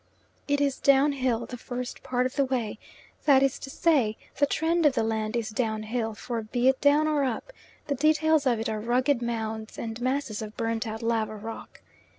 It is downhill the first part of the way, that is to say, the trend of the land is downhill, for be it down or up, the details of it are rugged mounds and masses of burnt out lava rock.